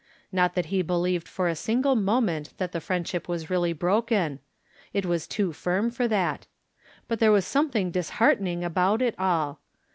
Not that he belieyed for a single moment that the friendship was really broken — it was too firm for that ; but there was something disheartening about it all.